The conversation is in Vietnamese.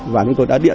và chúng tôi đã điện